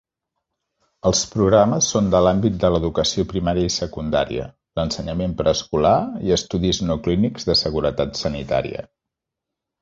Els programes són de l'àmbit de l'educació primària i secundària, l'ensenyament preescolar i estudis no clínics de seguretat sanitària.